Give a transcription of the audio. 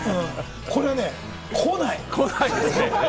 これね、来ない。